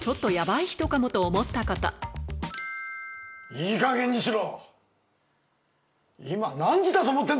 いいかげんにしろ！